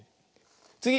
つぎ！